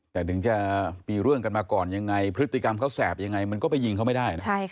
แต่ถึงจะมีเรื่องกันมาก่อนยังไงพฤติกรรมเขาแสบยังไงมันก็ไปยิงเขาไม่ได้นะ